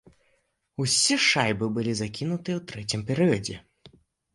Усе шайбы былі закінутыя ў трэцім перыядзе.